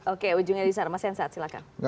oke ujungnya disana mas ensaat silahkan